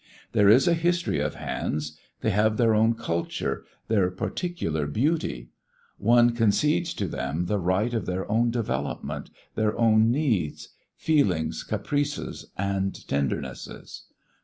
There is a history of hands; they have their own culture, their particular beauty; one concedes to them the right of their own development, their own needs, feelings, caprices and tendernesses.